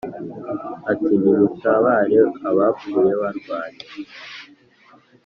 ati ni mutabare abapfu barwanye,